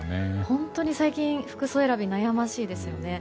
本当に最近服装選び、悩ましいですよね。